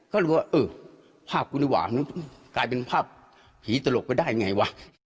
ก็รู้ว่าเออภาพกุณฑวาคนนั้นกลายเป็นภาพผีตลกก็ได้ไงวะ